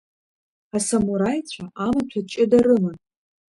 Асамураицәа амаҭәа ҷыда рыман.